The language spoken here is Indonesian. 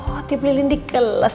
oh dia pelilin di kelas